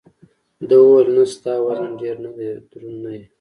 ده وویل: نه، ستا وزن ډېر نه دی، دروند نه یې.